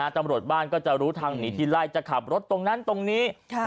ตำรวจบ้านก็จะรู้ทางหนีทีไล่จะขับรถตรงนั้นตรงนี้